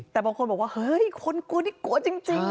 แต่บางคนบอกว่าเฮ้ยคนกลัวนี่กลัวจริง